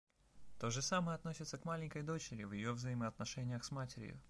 То же самое относится к маленькой дочери в ее взаимоотношениях с матерью.